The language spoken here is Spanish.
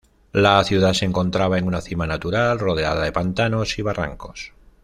La ciudad se encontraba en una cima natural rodeada de pantanos y barrancos.